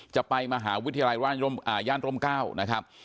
จะไปมหาวิทยาลัยย่านร่ม๙นะครับ